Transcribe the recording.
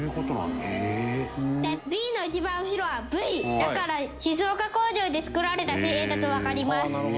でＢの一番後ろは「Ｖ」だから静岡工場で作られた紙幣だとわかります。